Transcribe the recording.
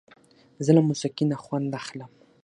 زه له موسیقۍ نه خوند اخلم.